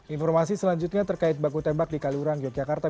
informasi selanjutnya terkait baku tembak di kaliurang yogyakarta